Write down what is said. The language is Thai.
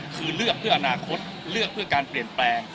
คือเลือกเพื่ออนาคตเลือกเพื่อการเปลี่ยนแปลง